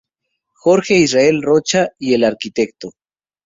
Jorge Israel Rocha y el Arq.